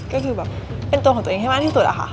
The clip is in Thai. ก็คือแบบเป็นตัวของตัวเองให้มากที่สุดอะค่ะ